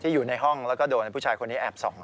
อยู่ในห้องแล้วก็โดนผู้ชายคนนี้แอบส่อง